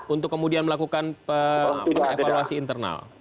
untuk kemudian melakukan evaluasi internal